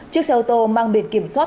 chiếc xe ô tô mang biển kiểm soát